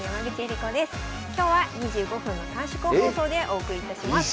今日は２５分の短縮放送でお送りいたします。